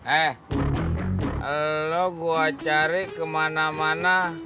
eh lo gue cari kemana mana